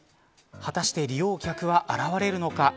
果たして、利用客は現れるのか。